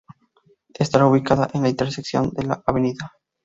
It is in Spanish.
Estará ubicada en la intersección de la Av.